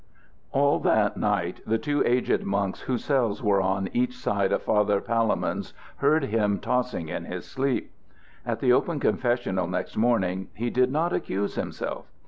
All that night the two aged monks whose cells were one on each side of Father Palemon's heard him tossing in his sleep. At the open confessional next morning he did not accuse himself.